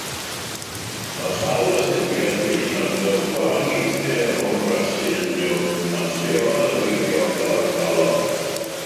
Mae sawl astudiaeth wedi canfod gwahaniaethau rhwng rasys mewn amseroedd adweithio cyfartalog.